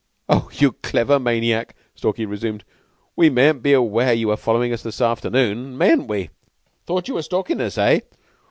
"Oh, you clever maniac!" Stalky resumed. "We mayn't be aware you were followin' us this afternoon, mayn't we? 'Thought you were stalkin' us, eh?